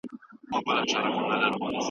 تر هر امتحان وروسته الهي نصرت راغلی دی.